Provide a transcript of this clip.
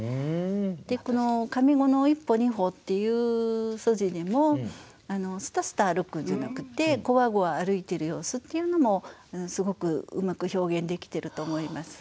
でこの上五の「一歩二歩」っていう筋にもすたすた歩くんじゃなくってこわごわ歩いてる様子っていうのもすごくうまく表現できてると思います。